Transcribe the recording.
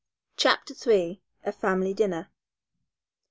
CHAPTER III. A FAMILY DINNER.